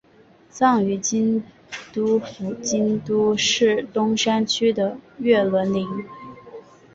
葬于京都府京都市东山区的月轮陵。